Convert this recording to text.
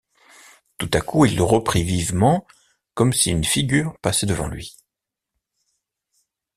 Tout à coup, il reprit vivement, comme si une figure passait devant lui.